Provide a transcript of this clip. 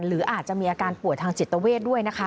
หรืออาจจะมีอาการป่วยทางจิตเวทด้วยนะคะ